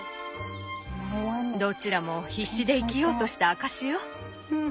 どちらも必死で生きようとした証しよ。